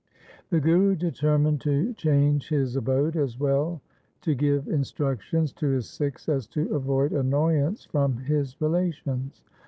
The Guru determined to change his abode, as well to give instructions to his Sikhs as to avoid annoyance from his relations.